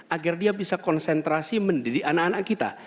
agar dia bisa konsentrasi mendidik anak anak kita